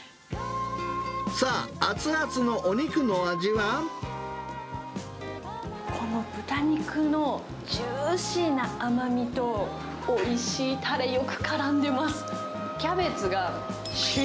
さあ、この豚肉のジューシーな甘みと、おいしいたれ、よくからんでます。